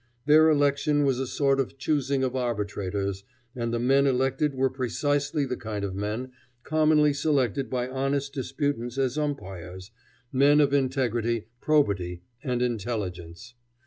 Their election was a sort of choosing of arbitrators, and the men elected were precisely the kind of men commonly selected by honest disputants as umpires men of integrity, probity, and intelligence.